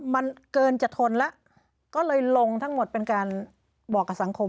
มันเกินจะทนแล้วก็เลยลงทั้งหมดเป็นการบอกกับสังคม